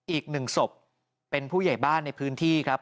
อีกหนึ่งศพเป็นผู้ใหญ่บ้านในพื้นที่ครับ